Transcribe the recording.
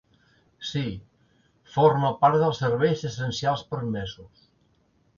Sí, forma part dels serveis essencials permesos.